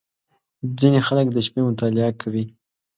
• ځینې خلک د شپې مطالعه کوي.